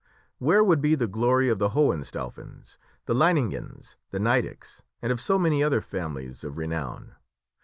Where would be the glory of the Hohenstauffens, the Leiningens, the Nidecks, and of so many other families of renown?